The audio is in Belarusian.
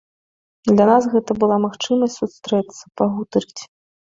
Для нас гэта была магчымасць сустрэцца, пагутарыць.